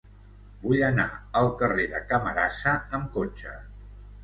Vull anar al carrer de Camarasa amb cotxe.